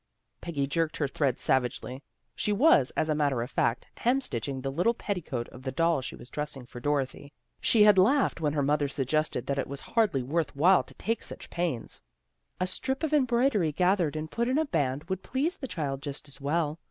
Peggy jerked her thread savagely. She was, as a matter of fact, hem stitching the little petticoat of the doll she was dressing for Dorothy. She had laughed when her mother suggested that it was hardly worth while to take so much pains. " A strip of em broidery gathered and put in a band would please the child just as well.